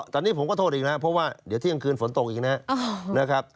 ตอนนี้ผมก็โทษอีกนะครับเพราะว่าเดี๋ยวเที่ยงคืนฝนตกอีกนะครับ